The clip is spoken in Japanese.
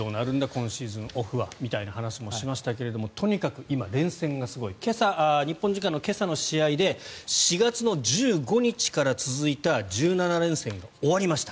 今シーズンオフはみたいな話もしましたがとにかく今、連戦がすごい。日本時間の今朝の試合で４月１５日から続いた１７連戦が終わりました。